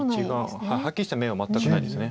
はっきりした眼は全くないです。